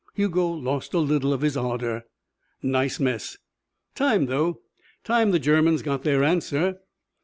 Hugo lost a little of his ardour. "Nice mess." "Time, though. Time the Germans got their answer."